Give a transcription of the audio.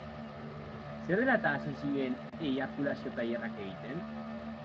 Zer dela-eta hasi zinen eiakulazio-tailerrak egiten?